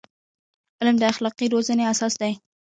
علم د اخلاقي روزنې اساس دی.